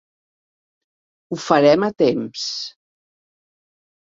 Ho farem a temps.